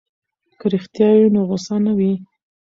که رښتیا وي نو غصه نه وي.